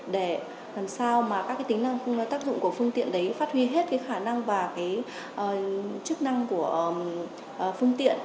để làm sao mà các tính năng tác dụng của phương tiện đấy phát huy hết khả năng và cái chức năng của phương tiện